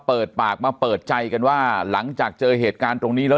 เปิดปากมาเปิดใจกันว่าหลังจากเจอเหตุการณ์ตรงนี้แล้ว